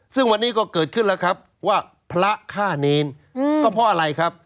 ซึ่งวันนี้ก็เกิดขึ้นแล้วครับว่าพระฆ่าเนรก็เพราะอะไรครับ